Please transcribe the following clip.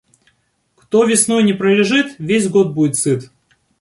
Кто весной не пролежит, весь год будет сыт.